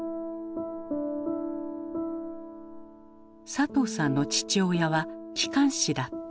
佐藤さんの父親は機関士だった。